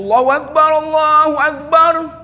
allahu akbar allahu akbar